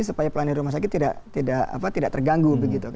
supaya pelan di rumah sakit tidak terganggu